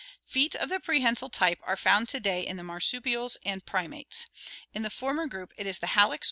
Feet of the prehensile type are found to day in the marsu pials and primates. In the former group it is the hallux (see Fig.